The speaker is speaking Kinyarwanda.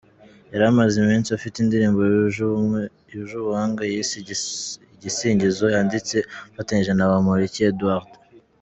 Yari amaze iminsi afite indirimbo yuje ubuhanga yise ‘Igisingizo’ yanditse afatanyije na Bamporiki Edouard.